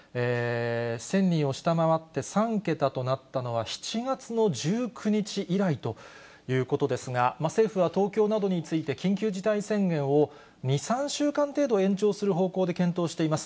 １０００人を下回って３桁となったのは、７月の１９日以来ということですが、政府は東京などについて緊急事態宣言を２、３週間程度延長する方向で検討しています。